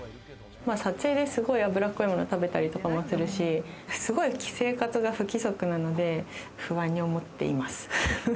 撮影ですごい脂っこいものを食べたりもするし、すごい生活が不規則なので、不安に思っています。